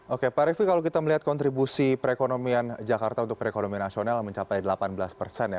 oke pak refli kalau kita melihat kontribusi perekonomian jakarta untuk perekonomian nasional mencapai delapan belas persen ya